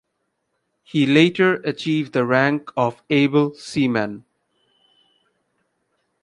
He later achieved the rank of able seaman.